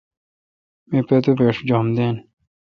می پتو پیݭ جم دون۔